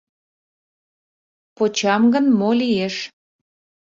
— Почам гын, мо лиеш?»